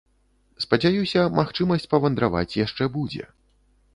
Спадзяюся, магчымасць павандраваць яшчэ будзе.